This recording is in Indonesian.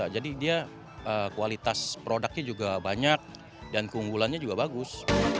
jadi dia kualitas produknya juga banyak dan keunggulannya juga bagus